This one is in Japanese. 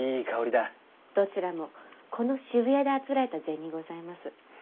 どちらもこの渋谷であつらえた膳にございます。